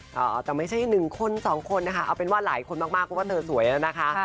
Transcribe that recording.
แต่ไม่ใช่๑คน๒คนนะคะเอาเป็นว่าหลายคนมากเพราะว่าเธอสวยแล้วนะคะ